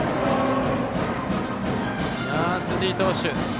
辻井投手